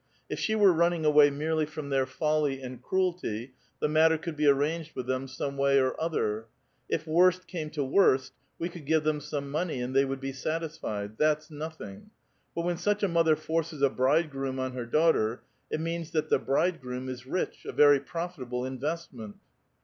If she were running away merely from their folly and cruelty, the matter could be arranged with them some way or other ; if worst came to woret, we could give them some money, and they would be satisfied. That's nothing. But when such a mother forces a bridegroom on her daughter, it means that the bridegroom is rich, a very profitable investment."